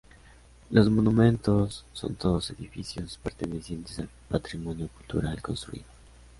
Los monumentos son todos edificios pertenecientes al patrimonio cultural construido.